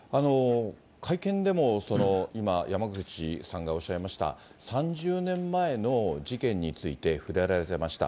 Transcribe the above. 会見でも今、山口さんがおっしゃいました、３０年前の事件について触れられていました。